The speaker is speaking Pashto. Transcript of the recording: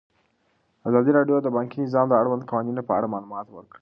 ازادي راډیو د بانکي نظام د اړونده قوانینو په اړه معلومات ورکړي.